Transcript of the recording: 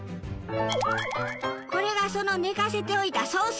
これがその寝かせておいたソース